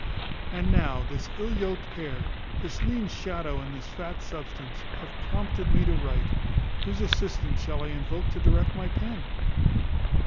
And now, this ill yoked pair, this lean shadow and this fat substance, have prompted me to write, whose assistance shall I invoke to direct my pen?